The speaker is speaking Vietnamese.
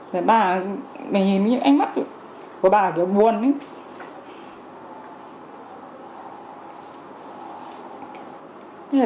thế bà mình nhìn những ánh mắt của bà kiểu buồn ấy